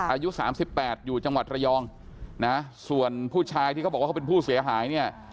อายุสามสิบแปดอยู่จังหวัดระยองนะส่วนผู้ชายที่เขาบอกว่าเขาเป็นผู้เสียหายเนี่ย